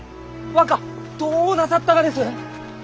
若どうなさったがです！？